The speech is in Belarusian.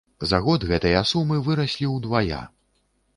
За год гэтыя сумы выраслі ўдвая!